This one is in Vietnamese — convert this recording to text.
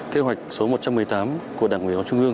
kế hoạch số một trăm một mươi tám của đoàn thanh niên bộ công an